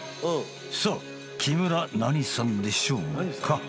さぁ木村何さんでしょうか？